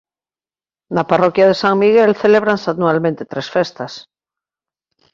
Na parroquia de San Miguel celébranse anualmente tres festas.